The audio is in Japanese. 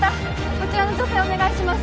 こちらの女性お願いします